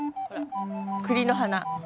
栗の花。